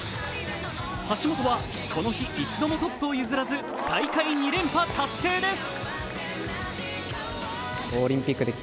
橋本はこの日一度もトップを譲らず、大会２連覇達成です。